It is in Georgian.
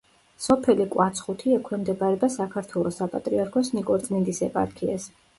სოფელი კვაცხუთი ექვემდებარება საქართველოს საპატრიარქოს ნიკორწმინდის ეპარქიას.